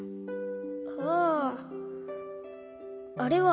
あああれは。